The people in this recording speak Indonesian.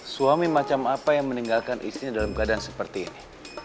suami macam apa yang meninggalkan istrinya dalam keadaan seperti ini